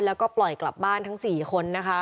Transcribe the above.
แล้วก็ปล่อยกลับบ้านทั้ง๔คนนะคะ